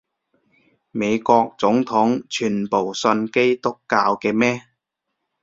美國總統全部信基督教嘅咩？